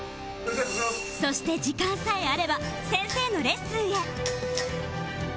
そして時間さえあれば先生のレッスンへ